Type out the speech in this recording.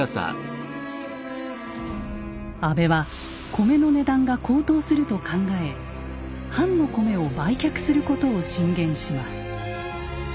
安倍は米の値段が高騰すると考え藩の米を売却することを進言します。